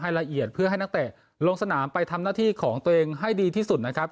ละเอียดเพื่อให้นักเตะลงสนามไปทำหน้าที่ของตัวเองให้ดีที่สุดนะครับ